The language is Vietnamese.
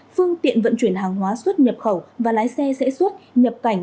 phương tiện vận chuyển hàng hóa xuất nhập khẩu và lái xe sẽ xuất nhập cảnh